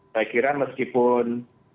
saya kira meskipun